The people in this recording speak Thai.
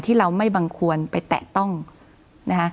ที่เราไม่บังควรไปแตะต้องนะคะ